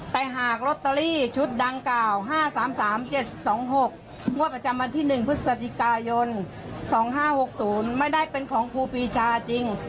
แต่หากลอตเตอรี่ชุดดังกล่าว๕๓๓๗๒๖งวดประจำวันที่๑พฤศจิกายน๒๕๖๐ไม่ได้เป็นของครูปีชาจริง